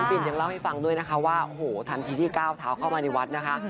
บินยังเล่าให้ฟังด้วยนะคะว่าโอ้โหทันทีที่ก้าวเท้าเข้ามาในวัดนะคะ